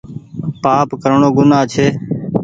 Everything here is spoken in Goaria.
پآپ ڪرڻو گناه ڇي